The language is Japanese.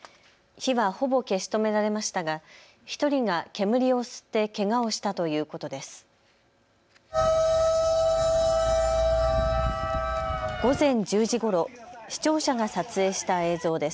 火はほぼ消し止められましたが１人が煙を吸ってけがをしたということです。